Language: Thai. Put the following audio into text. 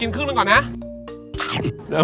ครึ่งหนึ่งก่อนนะ